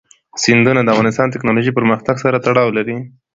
سیندونه د افغانستان د تکنالوژۍ پرمختګ سره تړاو لري.